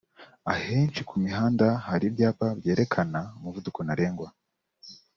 Ahenshi ku mihanda hari ibyapa byerekana umuvuduko ntarengwa